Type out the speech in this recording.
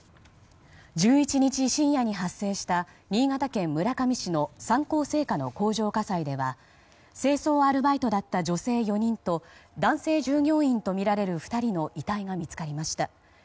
１１日深夜に発生した新潟県村上市の三幸製菓の工場火災では清掃アルバイトだった女性４人と男性従業員とみられる２人の遺体が見つかりました。